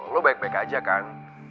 lo baik baik aja kan